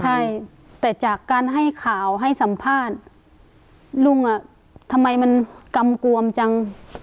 ใช่แต่จากการให้ข่าวให้สัมภาษณ์ลุงอ่ะทำไมมันกำกวมจัง